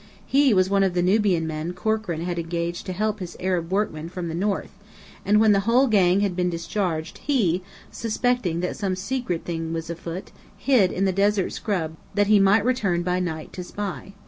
He was one of the Nubian men Corkran had engaged to help his Arab workmen from the north; and when the whole gang had been discharged he, suspecting that some secret thing was on foot, hid in the desert scrub that he might return by night to spy.